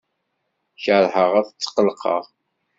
Keṛheɣ ad tqellqeɣ.